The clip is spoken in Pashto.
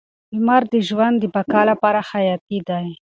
لمر د ژوند د بقا لپاره حیاتي دی.